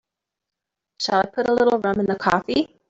Shall I put a little rum in the coffee?